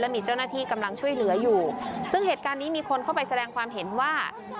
มีเจ้าหน้าที่กำลังช่วยเหลืออยู่ซึ่งเหตุการณ์นี้มีคนเข้าไปแสดงความเห็นว่า